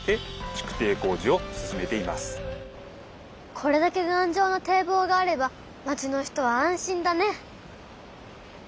これだけがんじょうな堤防があれば町の人は安心だね！